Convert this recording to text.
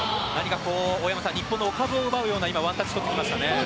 日本のお株を奪うようなワンタッチをとってきましたね。